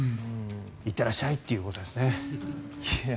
いってらっしゃいということですね。